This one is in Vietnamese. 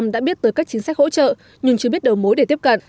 sáu mươi bốn sáu đã biết tới các chính sách hỗ trợ nhưng chưa biết đầu mối để tiếp cận